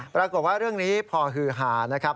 ปรากฏว่าเรื่องนี้พอฮือหานะครับ